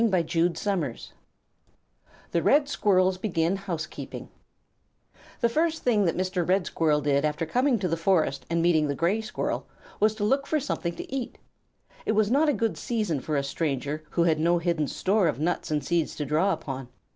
THE RED SQUIRRELS BEGIN HOUSEKEEPING The first thing that Mr. Red Squirrel did after coming to the forest and meeting the Gray Squirrel was to look for something to eat. It was not a good season for a stranger who had no hidden store of nuts and seeds to draw upon.